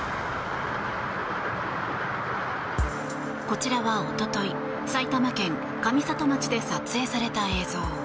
こちらはおととい埼玉県上里町で撮影された映像。